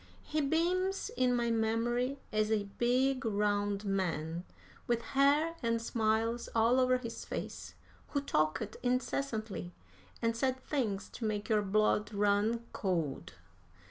He beams in my memory as a big, round man, with hair and smiles all over his face, who talked incessantly, and said things to make your blood run cold.